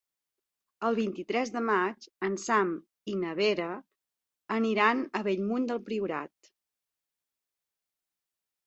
El vint-i-tres de maig en Sam i na Vera aniran a Bellmunt del Priorat.